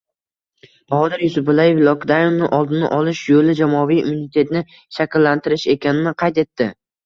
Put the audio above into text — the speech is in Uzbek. Bahodir Yusupaliyev lokdaunni oldini olish yo‘li jamoaviy immunitetni shakllantirish ekanini qayd etdi